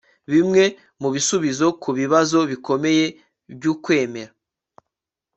bimwe mu bisubizo ku bibazo bikomeye by'ukwemera